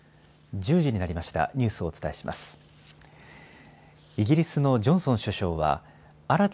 １０時になりました。